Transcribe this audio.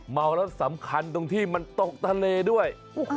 เมาแล้วสำคัญตรงที่มันตกทะเลด้วย